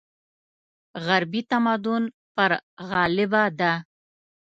غربي تمدن پر غلبه ده.